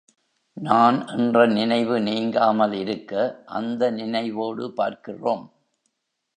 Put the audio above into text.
நான் என்ற நினைவு நீங்காமல் இருக்க, அந்த நினைவோடு பார்க்கிறோம்.